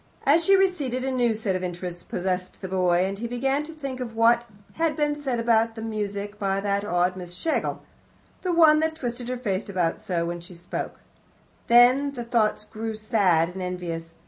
As she receded, a new set of interests possessed the boy, and he began to think of what had been said about music by that odd Miss Schlegel the one that twisted her face about so when she spoke. Then the thoughts grew sad and envious.